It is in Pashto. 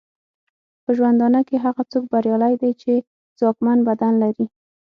په ژوندانه کې هغه څوک بریالی دی چې ځواکمن بدن لري.